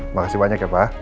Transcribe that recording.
makasih banyak ya pak